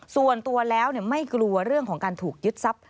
ส่วนตัวแล้วไม่กลัวเรื่องของการถูกยึดทรัพย